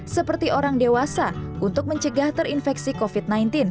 seperti orang dewasa untuk mencegah terinfeksi covid sembilan belas